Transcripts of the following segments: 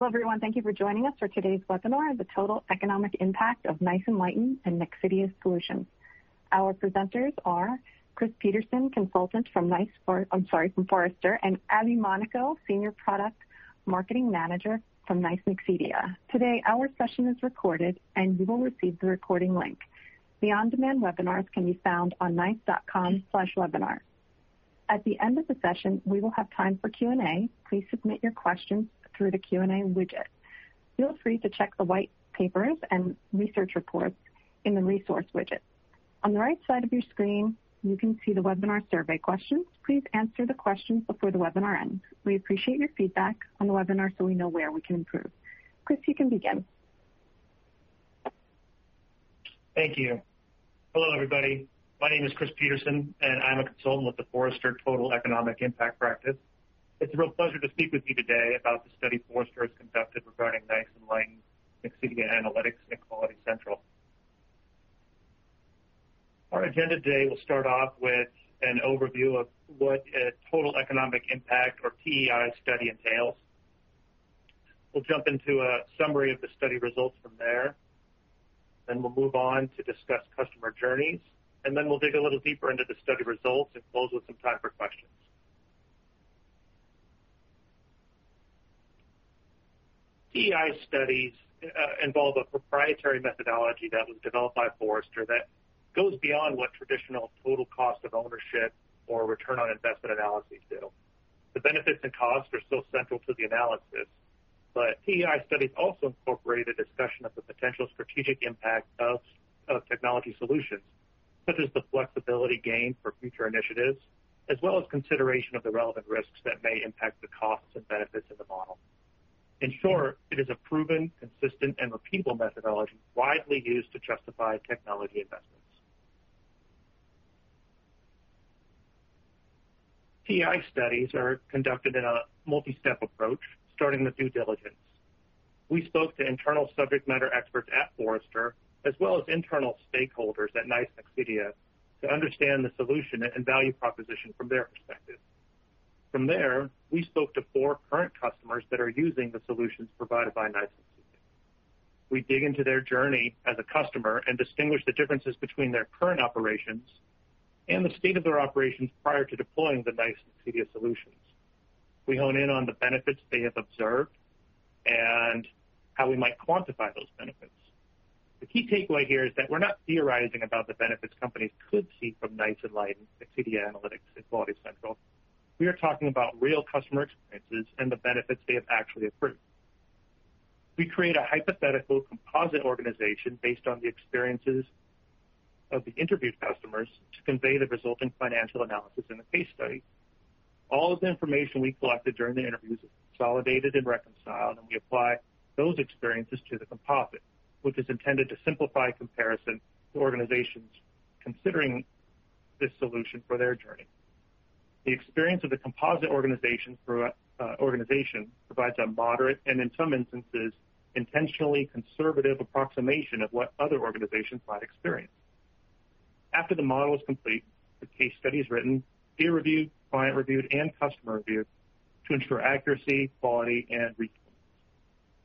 Hello, everyone. Thank you for joining us for today's webinar, "The Total Economic Impact of NICE Enlighten and Nexidia Solutions." Our presenters are Chris Peterson, Consultant from Forrester, and Abby Monaco, Senior Product Marketing Manager from NICE Nexidia. Today, our session is recorded, and you will receive the recording link. The on-demand webinars can be found on nice.com/webinars. At the end of the session, we will have time for Q&A. Please submit your questions through the Q&A widget. Feel free to check the whitepapers and research reports in the resource widget. On the right side of your screen, you can see the webinar survey questions. Please answer the questions before the webinar ends. We appreciate your feedback on the webinar so we know where we can improve. Chris, you can begin. Thank you. Hello, everybody. My name is Chris Peterson, and I'm a Consultant with the Forrester Total Economic Impact Practice. It's a real pleasure to speak with you today about the study Forrester has conducted regarding NICE Enlighten, Nexidia Analytics, and Quality Central. Our agenda today will start off with an overview of what a Total Economic Impact, or TEI, study entails. We'll jump into a summary of the study results from there. We'll move on to discuss customer journeys, and then we'll dig a little deeper into the study results and close with some time for questions. TEI studies involve a proprietary methodology that was developed by Forrester that goes beyond what traditional Total Cost of Ownership or Return on Investment analyses do. The benefits and costs are still central to the analysis, but TEI studies also incorporate a discussion of the potential strategic impact of technology solutions, such as the flexibility gained for future initiatives, as well as consideration of the relevant risks that may impact the costs and benefits of the model. In short, it is a proven, consistent, and repeatable methodology widely used to justify technology investments. TEI studies are conducted in a multi-step approach, starting with due diligence. We spoke to internal subject matter experts at Forrester, as well as internal stakeholders at NICE Nexidia, to understand the solution and value proposition from their perspective. From there, we spoke to four current customers that are using the solutions provided by NICE Nexidia. We dig into their journey as a customer and distinguish the differences between their current operations and the state of their operations prior to deploying the NICE Nexidia solutions. We hone in on the benefits they have observed and how we might quantify those benefits. The key takeaway here is that we're not theorizing about the benefits companies could see from NICE Enlighten, Nexidia Analytics, and Quality Central. We are talking about real customer experiences and the benefits they have actually accrued. We create a hypothetical composite organization based on the experiences of the interviewed customers to convey the resulting financial analysis in the case study. All of the information we collected during the interviews is consolidated and reconciled, and we apply those experiences to the composite, which is intended to simplify comparison to organizations considering this solution for their journey. The experience of the composite organization provides a moderate, and in some instances, intentionally conservative approximation of what other organizations might experience. After the model is complete, the case study is written, peer-reviewed, client-reviewed, and customer-reviewed to ensure accuracy, quality, and reach.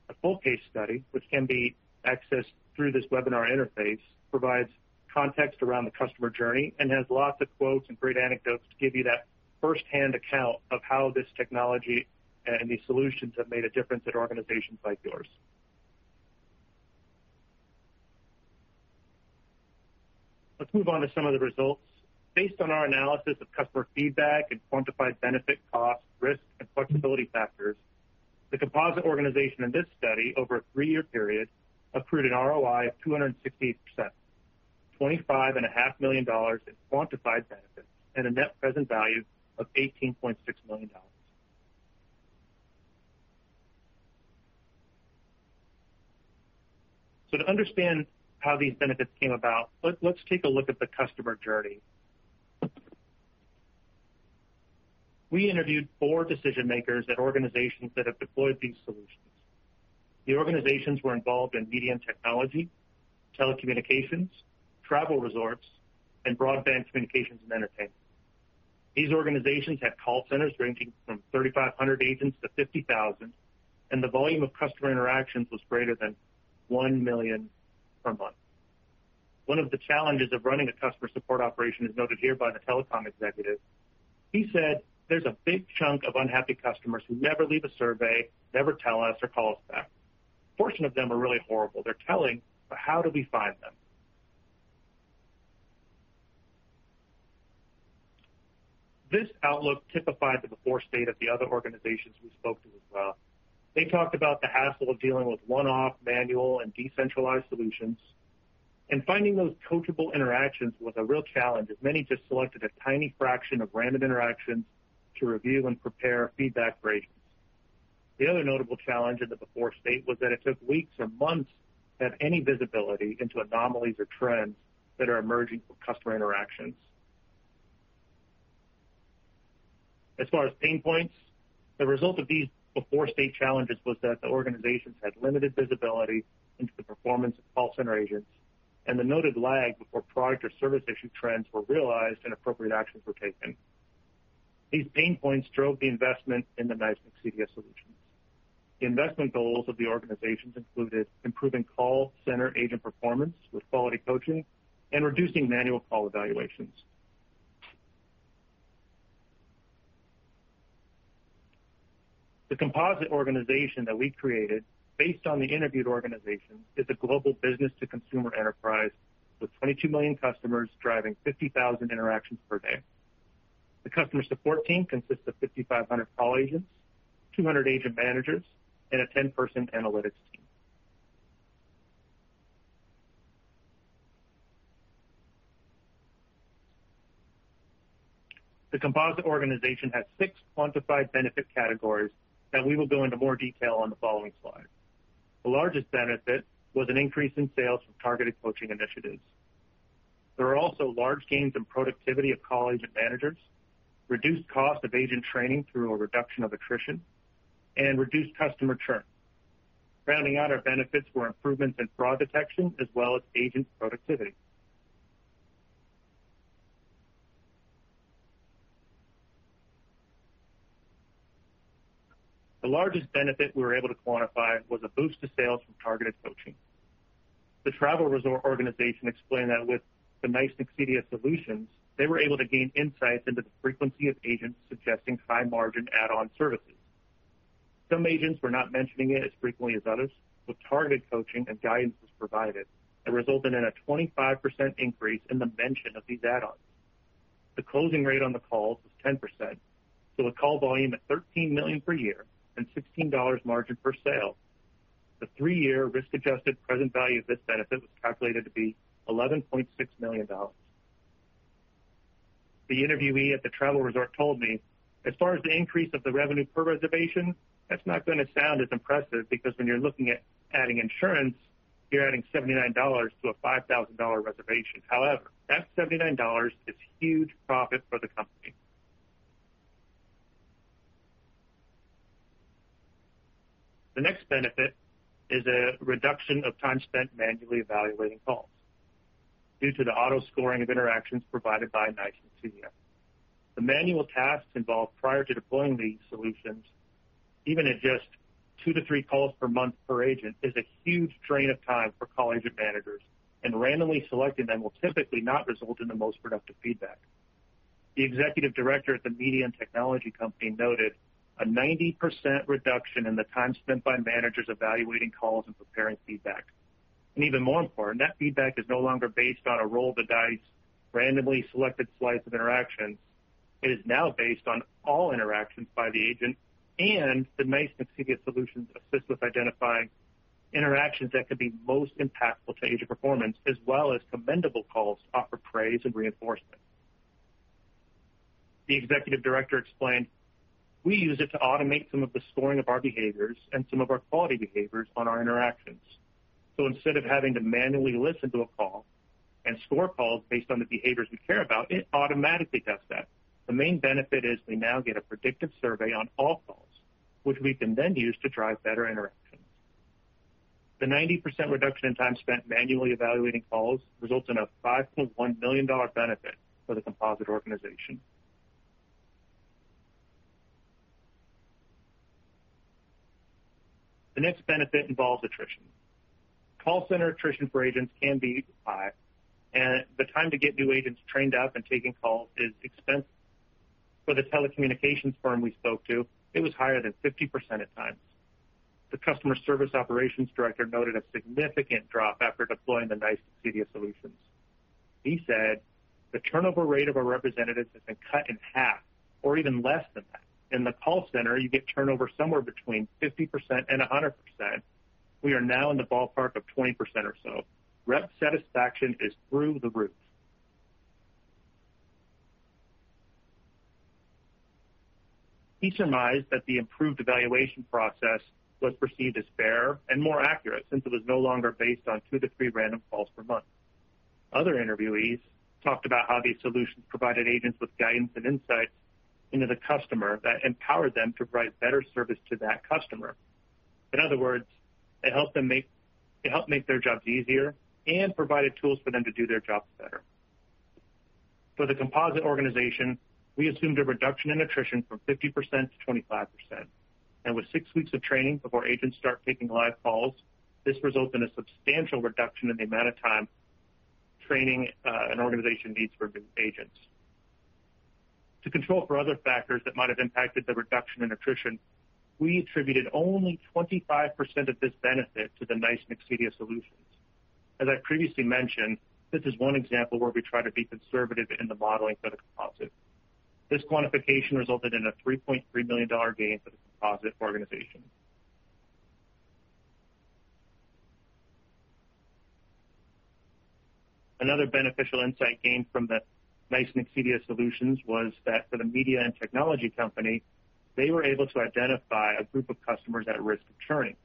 A full case study, which can be accessed through this webinar interface, provides context around the customer journey and has lots of quotes and great anecdotes to give you that firsthand account of how this technology and these solutions have made a difference at organizations like yours. Let's move on to some of the results. Based on our analysis of customer feedback and quantified benefit, cost, risk, and flexibility factors, the composite organization in this study, over a three-year period, accrued an ROI of 268%, $25.5 million in quantified benefits, and a net present value of $18.6 million. To understand how these benefits came about, let's take a look at the customer journey. We interviewed four decision-makers at organizations that have deployed these solutions. The organizations were involved in media and technology, telecommunications, travel resorts, and broadband communications and entertainment. These organizations had call centers ranging from 3,500 agents to 50,000, and the volume of customer interactions was greater than 1 million per month. One of the challenges of running a customer support operation is noted here by the telecom executive. He said, "There's a big chunk of unhappy customers who never leave a survey, never tell us or call us back. A portion of them are really horrible. They're telling, but how do we find them?" This outlook typified the before state of the other organizations we spoke to as well. They talked about the hassle of dealing with one-off, manual, and decentralized solutions, and finding those coachable interactions was a real challenge, as many just selected a tiny fraction of random interactions to review and prepare feedback ratings. The other notable challenge in the before state was that it took weeks or months to have any visibility into anomalies or trends that are emerging from customer interactions. As far as pain points, the result of these before state challenges was that the organizations had limited visibility into the performance of call center agents and the noted lag before product or service issue trends were realized and appropriate actions were taken. These pain points drove the investment in the NICE Nexidia solutions. The investment goals of the organizations included improving call center agent performance with quality coaching and reducing manual call evaluations. The composite organization that we created based on the interviewed organizations is a global business-to-consumer enterprise with 22 million customers driving 50,000 interactions per day. The customer support team consists of 5,500 call agents, 200 agent managers, and a 10-person analytics team. The composite organization has six quantified benefit categories that we will go into more detail on the following slide. The largest benefit was an increase in sales from targeted coaching initiatives. There are also large gains in productivity of call agent managers, reduced cost of agent training through a reduction of attrition, and reduced customer churn. Rounding out our benefits were improvements in fraud detection as well as agent productivity. The largest benefit we were able to quantify was a boost to sales from targeted coaching. The travel resort organization explained that with the NICE Nexidia solutions, they were able to gain insights into the frequency of agents suggesting high-margin add-on services. Some agents were not mentioning it as frequently as others, so targeted coaching and guidance was provided that resulted in a 25% increase in the mention of these add-ons. The closing rate on the calls was 10%, so a call volume at 13 million per year and $16 margin per sale. The three-year risk-adjusted present value of this benefit was calculated to be $11.6 million. The interviewee at the travel resort told me, "As far as the increase of the revenue per reservation, that's not going to sound as impressive because when you're looking at adding insurance, you're adding $79 to a $5,000 reservation. However, that $79 is huge profit for the company. The next benefit is a reduction of time spent manually evaluating calls due to the auto-scoring of interactions provided by NICE Nexidia. The manual tasks involved prior to deploying these solutions, even at just two to three calls per month per agent, is a huge drain of time for call agent managers, and randomly selecting them will typically not result in the most productive feedback. The executive director at the media and technology company noted a 90% reduction in the time spent by managers evaluating calls and preparing feedback. Even more important, that feedback is no longer based on a roll of the dice, randomly selected slice of interactions. It is now based on all interactions by the agent, and the NICE Nexidia solutions assist with identifying interactions that could be most impactful to agent performance, as well as commendable calls to offer praise and reinforcement. The executive director explained, "We use it to automate some of the scoring of our behaviors and some of our quality behaviors on our interactions. Instead of having to manually listen to a call and score calls based on the behaviors we care about, it automatically does that. The main benefit is we now get a predictive survey on all calls, which we can then use to drive better interactions." The 90% reduction in time spent manually evaluating calls results in a $5.1 million benefit for the composite organization. The next benefit involves attrition. Call center attrition for agents can be high, and the time to get new agents trained up and taking calls is expensive. For the telecommunications firm we spoke to, it was higher than 50% at times. The customer service operations director noted a significant drop after deploying the NICE Nexidia solutions. He said, "The turnover rate of our representatives has been cut in half, or even less than that. In the call center, you get turnover somewhere between 50% and 100%. We are now in the ballpark of 20% or so. Rep satisfaction is through the roof." He surmised that the improved evaluation process was perceived as fairer and more accurate since it was no longer based on two to three random calls per month. Other interviewees talked about how these solutions provided agents with guidance and insights into the customer that empowered them to provide better service to that customer. In other words, it helped make their jobs easier and provided tools for them to do their jobs better. For the composite organization, we assumed a reduction in attrition from 50% to 25%, and with six weeks of training before agents start taking live calls, this results in a substantial reduction in the amount of time training an organization needs for new agents. To control for other factors that might have impacted the reduction in attrition, we attributed only 25% of this benefit to the NICE Nexidia solutions. As I previously mentioned, this is one example where we try to be conservative in the modeling for the composite. This quantification resulted in a $3.3 million gain for the composite organization. Another beneficial insight gained from the NICE Nexidia solutions was that for the media and technology company, they were able to identify a group of customers at risk of churning.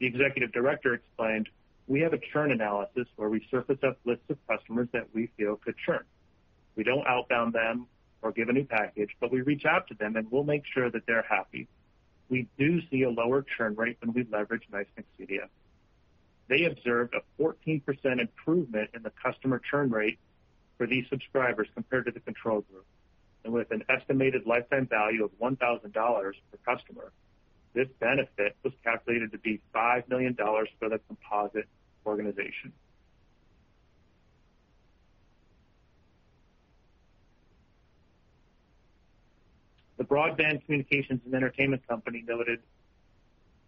The executive director explained, "We have a churn analysis where we surface up lists of customers that we feel could churn. We don't outbound them or give a new package, but we reach out to them, and we'll make sure that they're happy. We do see a lower churn rate when we leverage NICE Nexidia." They observed a 14% improvement in the customer churn rate for these subscribers compared to the control group. With an estimated lifetime value of $1,000 per customer, this benefit was calculated to be $5 million for the composite organization. The broadband communications and entertainment company noted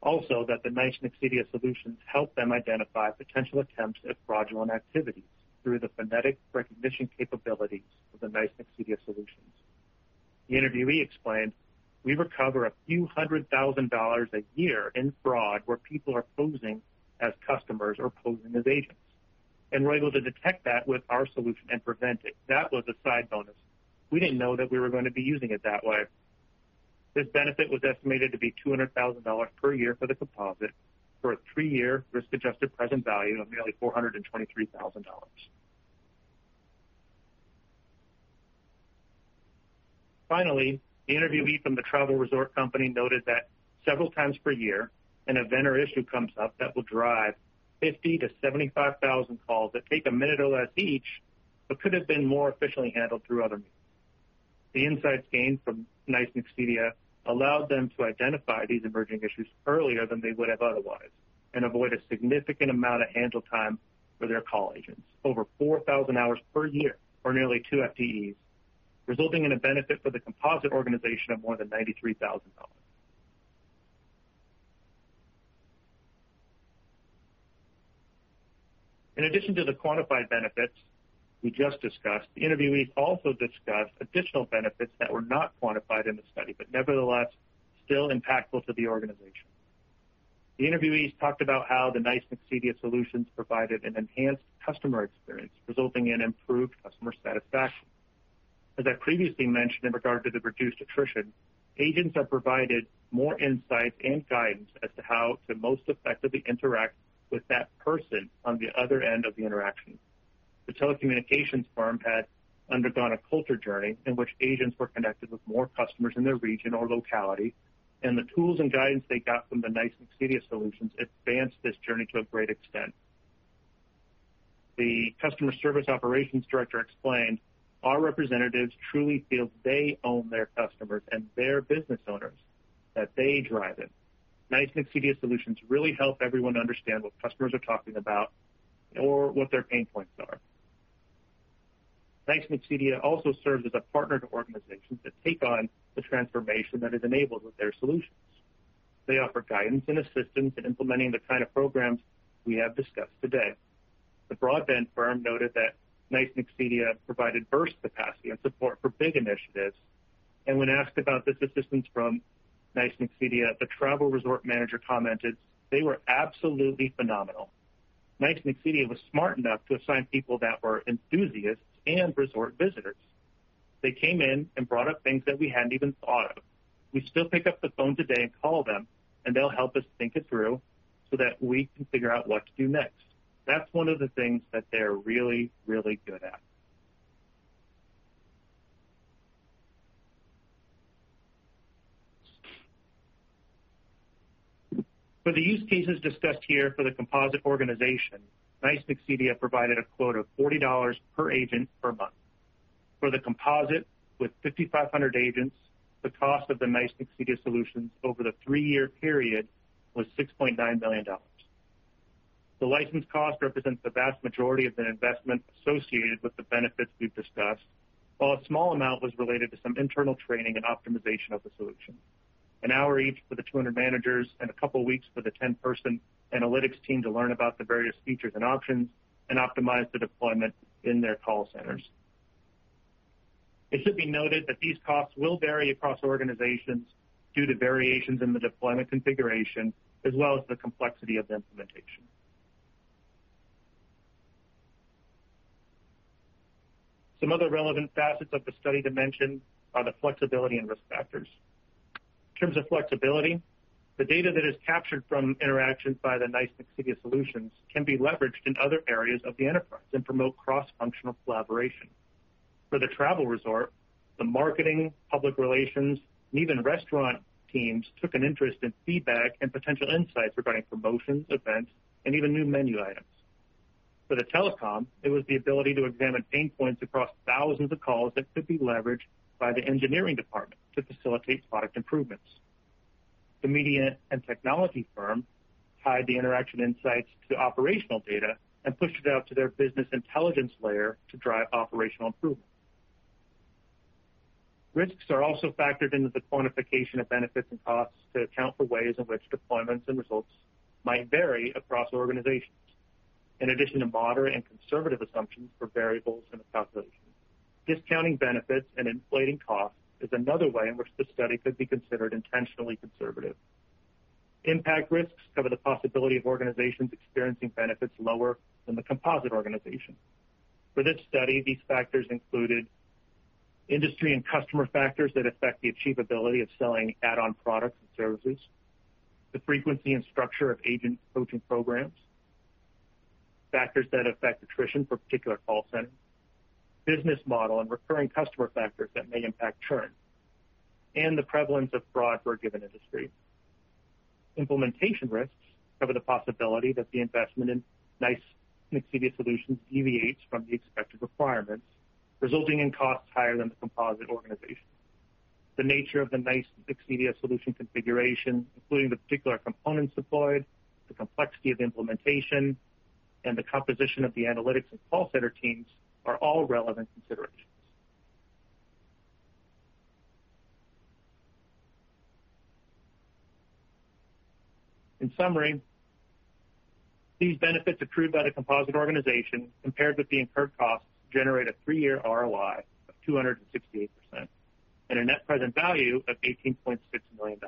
also that the NICE Nexidia solutions helped them identify potential attempts at fraudulent activities through the phonetic recognition capabilities of the NICE Nexidia solutions. The interviewee explained, "We recover a few hundred thousand dollars a year in fraud where people are posing as customers or posing as agents, and we're able to detect that with our solution and prevent it. That was a side bonus. We didn't know that we were going to be using it that way." This benefit was estimated to be $200,000 per year for the composite for a three-year risk-adjusted present value of nearly $423,000. Finally, the interviewee from the travel resort company noted that several times per year, a vendor issue comes up that will drive 50,000-75,000 calls that take a minute or less each but could have been more efficiently handled through other means. The insights gained from NICE Nexidia allowed them to identify these emerging issues earlier than they would have otherwise and avoid a significant amount of handle time for their call agents, over 4,000 hours per year, or nearly two FTEs, resulting in a benefit for the composite organization of more than $93,000. In addition to the quantified benefits we just discussed, the interviewees also discussed additional benefits that were not quantified in the study, but nevertheless, still impactful to the organization. The interviewees talked about how the NICE Nexidia solutions provided an enhanced customer experience, resulting in improved customer satisfaction. As I previously mentioned in regard to the reduced attrition, agents are provided more insights and guidance as to how to most effectively interact with that person on the other end of the interaction. The telecommunications firm had undergone a culture journey in which agents were connected with more customers in their region or locality, and the tools and guidance they got from the NICE Nexidia solutions advanced this journey to a great extent. The customer service operations director explained, "Our representatives truly feel they own their customers and their business owners, that they drive it. NICE Nexidia solutions really help everyone understand what customers are talking about or what their pain points are." NICE Nexidia also serves as a partner to organizations that take on the transformation that is enabled with their solutions. They offer guidance and assistance in implementing the kind of programs we have discussed today. The broadband firm noted that NICE Nexidia provided burst capacity and support for big initiatives, and when asked about this assistance from NICE Nexidia, the travel resort manager commented, "They were absolutely phenomenal. NICE Nexidia was smart enough to assign people that were enthusiasts and resort visitors. They came in and brought up things that we hadn't even thought of. We still pick up the phone today and call them, and they'll help us think it through so that we can figure out what to do next. That's one of the things that they're really, really good at." For the use cases discussed here for the composite organization, NICE Nexidia provided a quote of $40 per agent per month. For the composite with 5,500 agents, the cost of the NICE Nexidia solutions over the three-year period was $6.9 million. The license cost represents the vast majority of the investment associated with the benefits we've discussed. While a small amount was related to some internal training and optimization of the solution, an hour each for the 200 managers and a couple of weeks for the 10-person analytics team to learn about the various features and options and optimize the deployment in their call centers. It should be noted that these costs will vary across organizations due to variations in the deployment configuration as well as the complexity of the implementation. Some other relevant facets of the study to mention are the flexibility and risk factors. In terms of flexibility, the data that is captured from interactions by the NICE Nexidia solutions can be leveraged in other areas of the enterprise and promote cross-functional collaboration. For the travel resort, the marketing, public relations, and even restaurant teams took an interest in feedback and potential insights regarding promotions, events, and even new menu items. For the telecom, it was the ability to examine pain points across thousands of calls that could be leveraged by the engineering department to facilitate product improvements. The media and technology firm tied the interaction insights to operational data and pushed it out to their business intelligence layer to drive operational improvements. Risks are also factored into the quantification of benefits and costs to account for ways in which deployments and results might vary across organizations. In addition to moderate and conservative assumptions for variables in the calculations, discounting benefits and inflating costs is another way in which this study could be considered intentionally conservative. Impact risks cover the possibility of organizations experiencing benefits lower than the composite organization. For this study, these factors included industry and customer factors that affect the achievability of selling add-on products and services, the frequency and structure of agent coaching programs, factors that affect attrition for particular call centers, business model, and recurring customer factors that may impact churn. The prevalence of fraud for a given industry. Implementation risks cover the possibility that the investment in NICE Nexidia solutions deviates from the expected requirements, resulting in costs higher than the composite organization. The nature of the NICE Nexidia solution configuration, including the particular components deployed, the complexity of the implementation, and the composition of the analytics and call center teams, are all relevant considerations. In summary, these benefits accrued by the composite organization, compared with the incurred costs, generate a three-year ROI of 268% and a net present value of $18.6 million.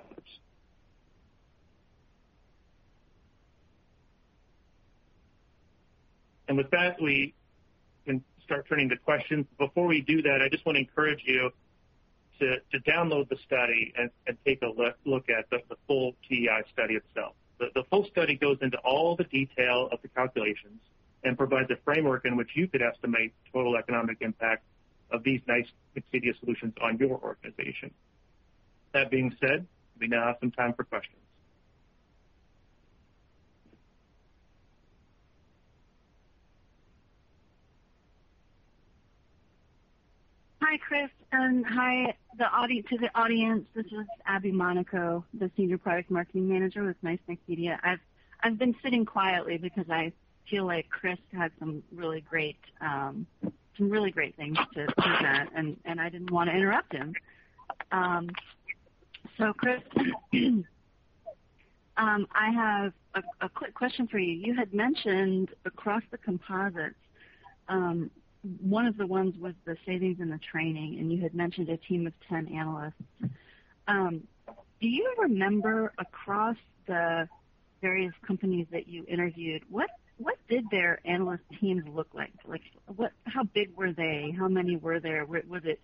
With that, we can start turning to questions. Before we do that, I just want to encourage you to download the study and take a look at the full TEI study itself. The full study goes into all the detail of the calculations and provides a framework in which you could estimate the Total Economic Impact of these NICE Nexidia solutions on your organization. That being said, we now have some time for questions. Hi, Chris, and hi to the audience. This is Abby Monaco, the Senior Product Marketing Manager with NICE Nexidia. I've been sitting quietly because I feel like Chris had some really great things to present, and I didn't want to interrupt him. Chris, I have a quick question for you. You had mentioned across the composites, one of the ones was the savings and the training, and you had mentioned a team of 10 analysts. Do you remember across the various companies that you interviewed, what did their analyst teams look like? How big were they? How many were there? Was it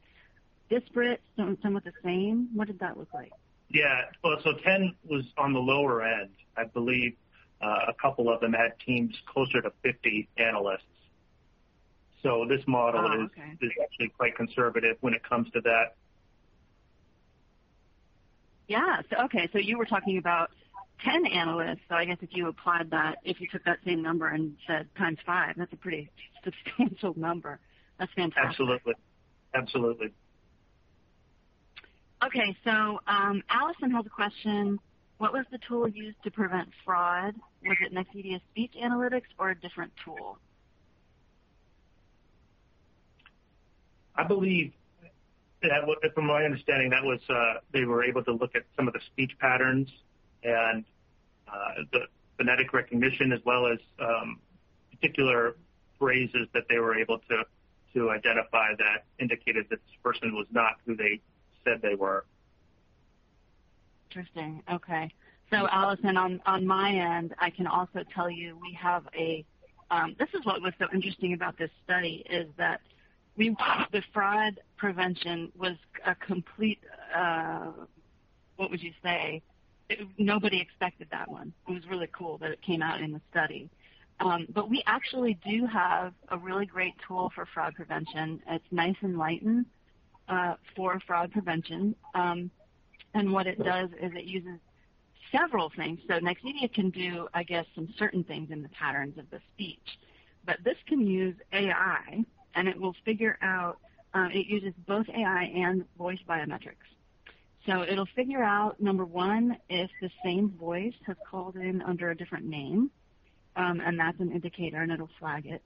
disparate? Some were the same? What did that look like? Yeah. 10 was on the lower end. I believe a couple of them had teams closer to 50 analysts. This model is- Oh, okay.... actually quite conservative when it comes to that. Okay. You were talking about 10 analysts. I guess if you applied that, if you took that same number and said times five, that's a pretty substantial number. That's fantastic. Absolutely. Allison has a question. What was the tool used to prevent fraud? Was it Nexidia Speech Analytics or a different tool? I believe from my understanding, they were able to look at some of the speech patterns and the phonetic recognition as well as particular phrases that they were able to identify that indicated that this person was not who they said they were. Interesting. Okay. Allison, on my end, I can also tell you we have. This is what was so interesting about this study, is that the fraud prevention was a complete, what would you say? Nobody expected that one. It was really cool that it came out in the study. We actually do have a really great tool for fraud prevention. It's NICE Enlighten for Fraud Prevention. What it does is it uses several things. Nexidia can do, I guess, some certain things in the patterns of the speech. This can use AI, and it will figure out. It uses both AI and voice biometrics. It'll figure out, number one, if the same voice has called in under a different name, and that's an indicator, and it'll flag it.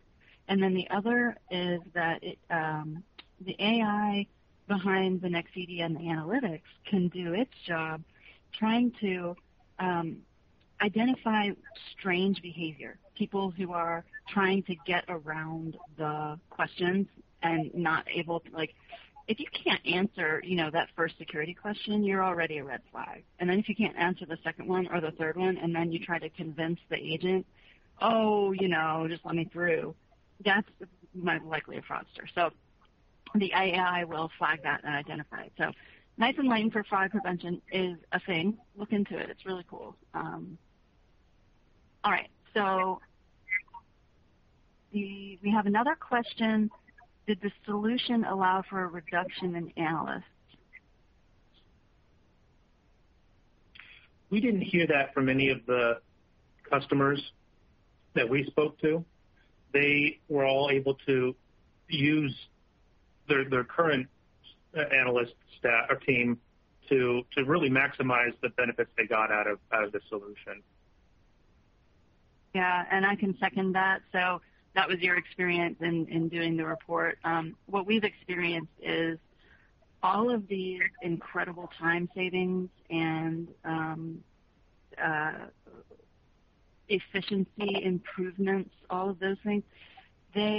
The other is that the AI behind the Nexidia and the analytics can do its job trying to identify strange behavior. People who are trying to get around the questions and not able to. If you can't answer that first security question, you're already a red flag. If you can't answer the second one or the third one, and then you try to convince the agent, "Oh, just let me through," that's most likely a fraudster. The AI will flag that and identify it. NICE Enlighten for Fraud Prevention is a thing. Look into it. It's really cool. All right. We have another question. Did the solution allow for a reduction in analysts? We didn't hear that from any of the customers that we spoke to. They were all able to use their current analyst team to really maximize the benefits they got out of the solution. Yeah. I can second that. That was your experience in doing the report. What we've experienced is all of these incredible time savings and efficiency improvements, all of those things,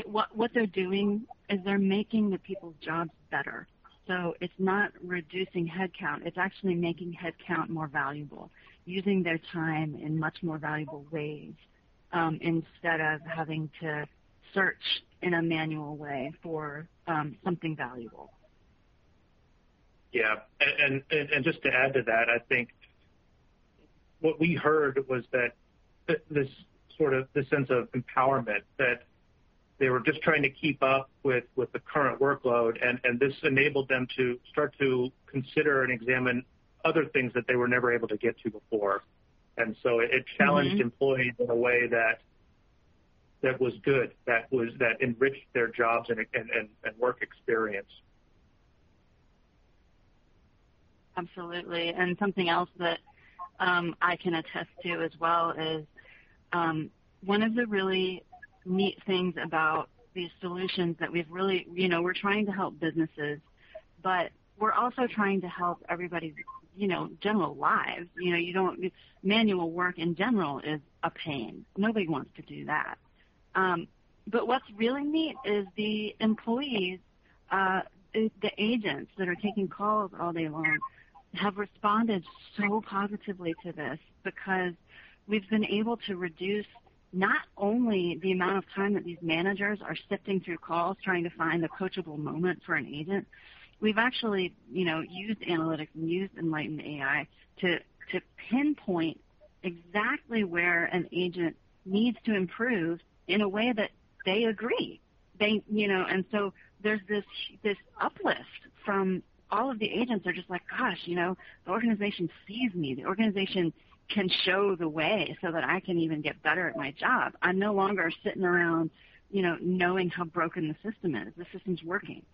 what they're doing is they're making the people's jobs better. It's not reducing headcount. It's actually making headcount more valuable, using their time in much more valuable ways, instead of having to search in a manual way for something valuable. Yeah. Just to add to that, what we heard was that this sense of empowerment, that they were just trying to keep up with the current workload, and this enabled them to start to consider and examine other things that they were never able to get to before. It challenges employees in a way that was good, that enriched their jobs and work experience. Absolutely. Something else that I can attest to as well is, one of the really neat things about these solutions that we're trying to help businesses, but we're also trying to help everybody's general lives. Manual work, in general, is a pain. Nobody wants to do that. What's really neat is the employees, the agents that are taking calls all day long, have responded so positively to this because we've been able to reduce not only the amount of time that these managers are sifting through calls trying to find a coachable moment for an agent. We've actually used analytics and used Enlighten AI to pinpoint exactly where an agent needs to improve in a way that they agree. There's this uplift from all of the agents are just like, "Gosh, the organization sees me. The organization can show the way so that I can even get better at my job. I'm no longer sitting around knowing how broken the system is. The system's working.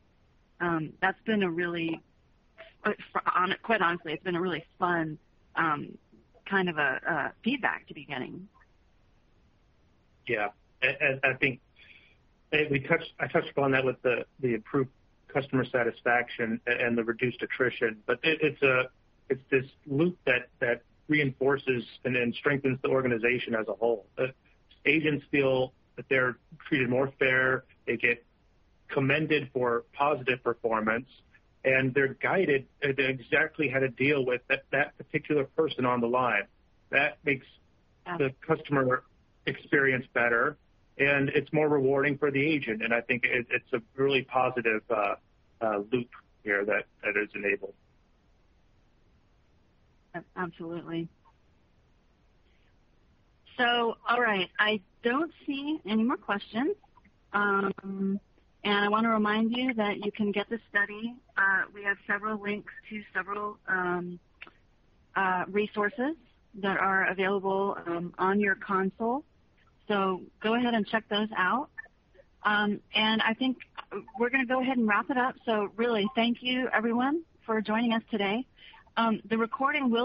Quite honestly, it's been a really fun kind of a feedback to be getting. Yeah. I think I touched upon that with the improved customer satisfaction and the reduced attrition. It's this loop that reinforces and then strengthens the organization as a whole. Agents feel that they're treated more fair. They get commended for positive performance, and they're guided in exactly how to deal with that particular person on the line. Absolutely That makes the customer experience better, and it's more rewarding for the agent, and I think it's a really positive loop here that is enabled. Absolutely. All right. I don't see any more questions. I want to remind you that you can get the study. We have several links to several resources that are available on your console. Go ahead and check those out. I think we're going to go ahead and wrap it up. Really, thank you everyone for joining us today. The recording will-